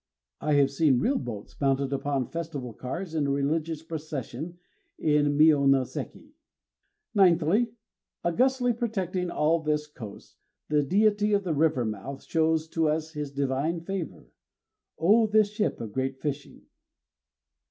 I have seen real boats mounted upon festival cars in a religious procession at Mionoséki. Ninthly, Augustly protecting all this coast, the Deity of the river mouth shows to us his divine favor. _O this ship of great fishing!